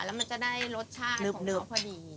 มันจะได้รสชาติของเขาพอดี